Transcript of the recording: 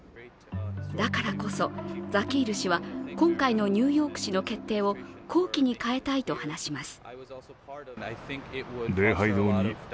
だからこそ、ザキール氏は今回のニューヨーク市の決定を好機に変えたいと話します。